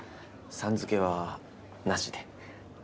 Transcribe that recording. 「さん」付けはなしで。